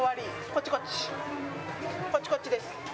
こっちこっちです。